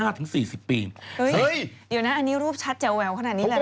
เดี๋ยวนะอันนี้รูปชัดแจ๋วแหววขนาดนี้เลยนะ